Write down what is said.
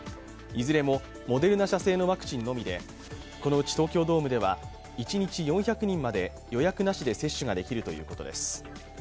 いずれもモデルナ社製のワクチンのみでこのうち東京ドームでは、一日４００人まで予約なしで接種できるということです。